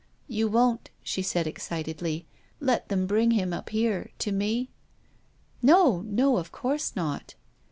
You won't," she said excitedly, "let them bring him up here, to me?" " No, no ; of course not."